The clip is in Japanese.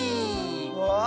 わあ。